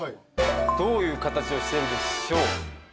どういう形をしているでしょう。